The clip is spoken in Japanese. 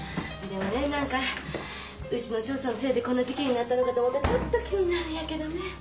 でもねなんかうちの調査のせいでこんな事件になったのかと思うとちょっと気になるんやけどね。